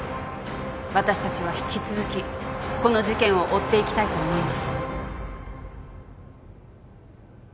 私たちは引き続きこの事件を追っていきたいと思います。